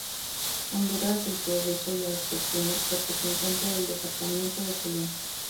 Honduras de El Progreso y al Fortuna; representante del Departamento de Colón.